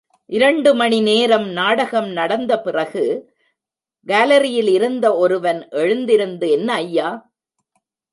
இரண்டுமணி நேரம் நாடகம் நடந்த பிறகு, காலெரி யிலிருந்த ஒருவன் எழுந்திருந்து என்ன ஐயா?